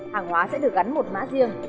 hàng hóa sẽ được gắn một mã riêng